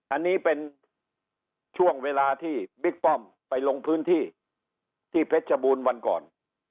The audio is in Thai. อันนี้เป็นช่วงเวลาที่บิ๊กป้อมไปลงพื้นที่ที่เพชรบูรณ์วันก่อน